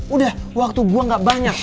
udah waktu gue gak banyak